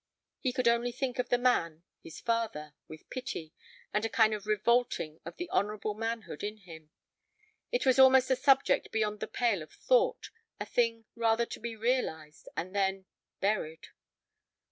He could only think of the man—his father—with pity, and a kind of revolting of the honorable manhood in him. It was almost a subject beyond the pale of thought; a thing rather to be realized and then—buried.